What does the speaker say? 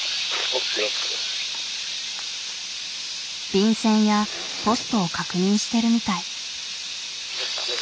便箋やポストを確認してるみたい。